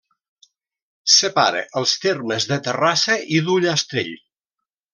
Separa els termes de Terrassa i d'Ullastrell.